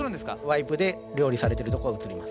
ワイプで料理されてるとこが映ります。